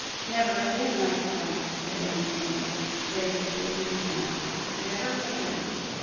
"Never again, Master Bonnet," said Ben Greenway, gravely shaking his head, "never again!"